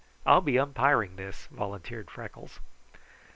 I'll be umpiring this," volunteered Freckles.